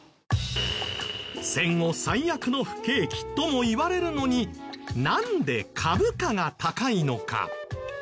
戦後最悪の不景気ともいわれるのになんで株価が高いのか？